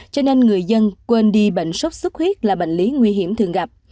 cho nên người dân quên đi bệnh sốt xuất huyết là bệnh lý nguy hiểm thường gặp